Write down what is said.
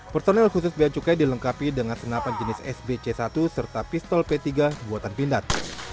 personel khusus beacukai dilengkapi dengan senapan jenis sbc satu serta pistol p tiga buatan pindad